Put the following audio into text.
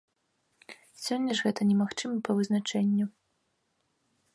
Сёння ж гэта немагчыма па вызначэнню.